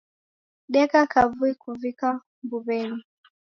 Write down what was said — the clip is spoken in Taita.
Deka kavui kuvika mbuwenyi.